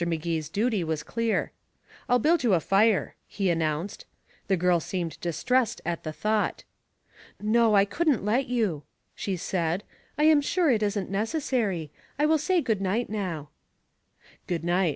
Magee's duty was clear. "I'll build you a fire," he announced. The girl seemed distressed at the thought. "No, I couldn't let you," she said. "I am sure it isn't necessary. I will say good night now." "Good night.